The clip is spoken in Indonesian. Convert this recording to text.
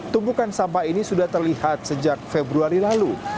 tumpukan sampah ini sudah terlihat sejak februari lalu